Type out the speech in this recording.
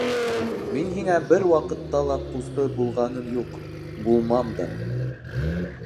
Мин һиңә бер ваҡытта ла ҡусты булғаным юҡ, булмам да!